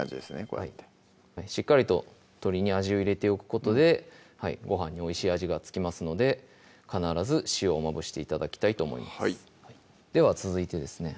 こうやってしっかりと鶏に味を入れておくことでごはんにおいしい味が付きますので必ず塩をまぶして頂きたいと思いますでは続いてですね